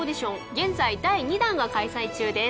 現在第２弾が開催中です。